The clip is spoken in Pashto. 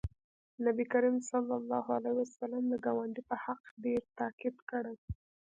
نبي کریم صلی الله علیه وسلم د ګاونډي په حق ډېر تاکید کړی